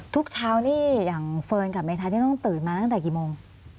ทุกเช้านี่อย่างเฟิร์นกับเมธานี่ต้องตื่นมาตั้งแต่กี่โมง